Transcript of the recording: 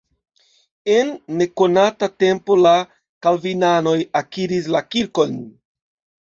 En nekonata tempo la kalvinanoj akiris la kirkon.